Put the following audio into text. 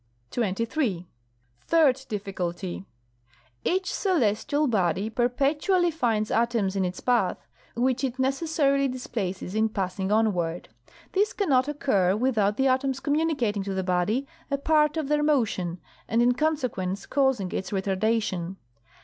XXIII. Third difficulty: Each celestial body perpetually finds atoms in its path which it necessarily displaces in passing onward. This can not occur without the atoms communicating to the body a part of their motion, and in consequence causing its retardation.